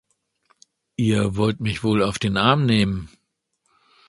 Ihr wollt mich wohl auf den Arm nehmen!